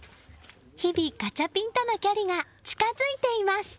日々、ガチャピンとの距離が近づいています。